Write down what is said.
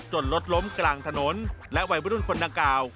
จนลดล้มกลางถนนและวัยวดุลคนดังกาว